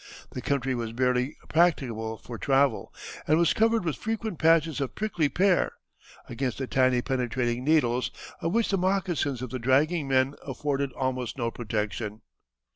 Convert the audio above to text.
The country was barely practicable for travel, and was covered with frequent patches of prickly pear, against the tiny penetrating needles of which the moccasins of the dragging men afforded almost no protection.